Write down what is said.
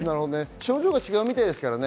症状が違うみたいですからね。